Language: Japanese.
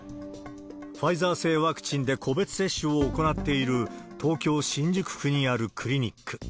ファイザー製ワクチンで個別接種を行っている東京・新宿区にあるクリニック。